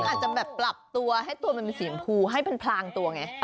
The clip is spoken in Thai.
อาจจะแบบปรับตัวให้ตัวมันเป็นสีชมพูให้มันพลางตัวไง